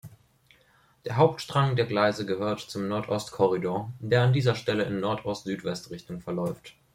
Der Hauptstrang der Gleise gehört zum Nordost-Korridor, der an dieser Stelle in Nordost-Südwest-Richtung verläuft.